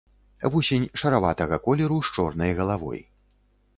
Вусень шараватага колеру з чорнай галавой.